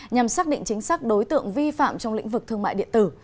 nhằm xác định chính xác đối tượng vi phạm trong lĩnh vực thương mại điện tử